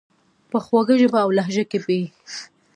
په خوږه ژبه اولهجه کي یې،